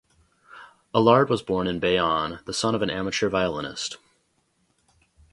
Alard was born in Bayonne, the son of an amateur violinist.